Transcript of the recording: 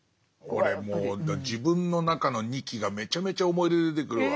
俺もう自分の中の仁木がめちゃめちゃ思い出で出てくるわ。